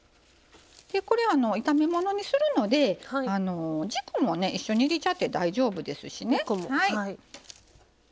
これ炒め物にするので軸も一緒に入れちゃって大丈夫ですしね。